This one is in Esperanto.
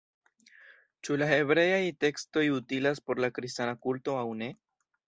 Ĉu la hebreaj tekstoj utilas por la kristana kulto aŭ ne?